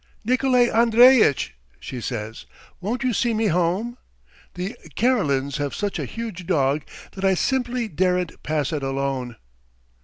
"Nikolay Andreitch," she says, "won't you see me home? The Karelins have such a huge dog that I simply daren't pass it alone."